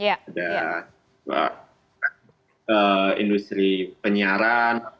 ada industri penyiaran